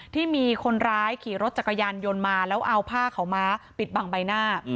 ที่มีคนร้ายขี่รถจักรยานยนต์มาแล้วเอาผ้าขาวม้าปิดบังใบหน้า